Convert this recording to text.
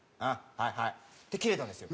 はいはい」って切れたんですよ。